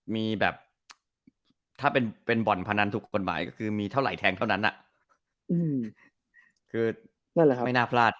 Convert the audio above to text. มีแบบถ้าเป็นบ่อนพนันทุกกฎหมายก็คือมีเท่าไหร่แทงเท่านั้นนะ